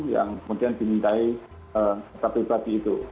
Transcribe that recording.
yang kemudian dimintai taat pribadi itu